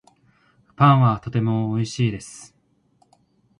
パンはとてもおいしいです